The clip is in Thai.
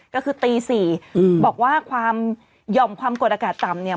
ก็คือตี๔บอกว่าความหย่อมความกดอากาศต่ำเนี่ย